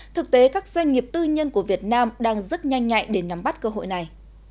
thực tế các doanh nghiệp tư nhân của việt nam đang rất nhanh nhạy để nắm bắt cơ hội này